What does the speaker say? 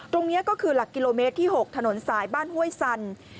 ตรงนี้ก็คือหลักกิโลเมตรที่๖ถนนสายบ้านห้วยสัน